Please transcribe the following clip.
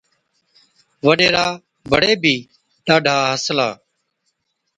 وڏيرا بڙي بِي ڏاڍا هسلا،